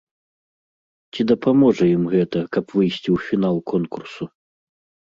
Ці дапаможа ім гэта, каб выйсці ў фінал конкурсу?